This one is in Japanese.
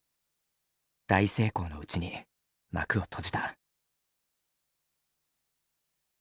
大成功のうちに幕を閉じた。